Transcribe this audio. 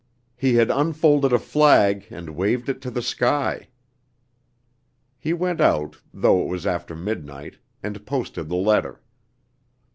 He had unfolded a flag and waved it to the sky. He went out, though it was after midnight, and posted the letter.